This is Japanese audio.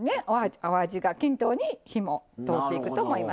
お味が均等に、火も通っていくと思います。